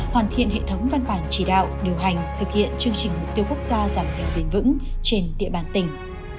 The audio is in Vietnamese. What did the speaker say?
hoàn thiện hệ thống văn bản chỉ đạo điều hành thực hiện chương trình mục tiêu quốc gia giảm nghèo bền vững trên địa bàn tỉnh